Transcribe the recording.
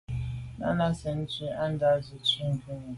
Náná cɛ̌d tswî á ndǎ’ nə̀ tswì ŋkʉ̀n shúnī.